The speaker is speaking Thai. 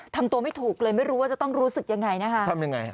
ทำตัวไม่ถูกเลยไม่รู้ว่าจะต้องรู้สึกยังไงนะคะทำยังไง